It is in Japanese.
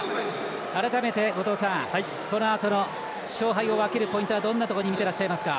改めて、このあとの勝敗を分けるポイントはどんなところに見てらっしゃいますか？